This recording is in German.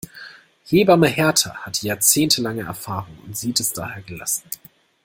Hebamme Hertha hat jahrzehntelange Erfahrung und sieht es daher gelassen.